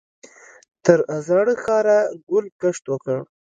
تر زاړه ښاره ګل ګشت وکړ.